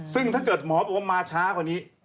ซึ่งถ้าเกิดหมอบอกว่ามาช้ากว่านี้